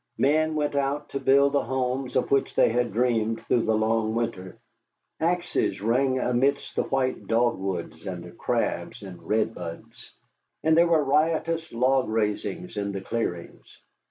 Men went out to build the homes of which they had dreamed through the long winter. Axes rang amidst the white dogwoods and the crabs and redbuds, and there were riotous log raisings in the clearings.